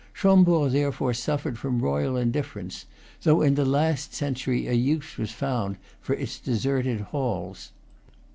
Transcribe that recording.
Chambord therefore suffered from royal indifference, though in the last century a use was found for its deserted halls.